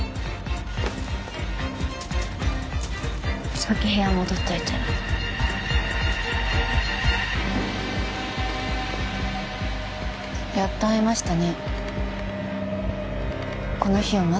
先部屋戻っといてやっと会えましたね